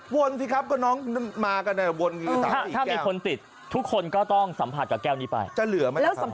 วนพี่ครับก็น้องมากันเลยวนอยู่ตามอีกแก้ว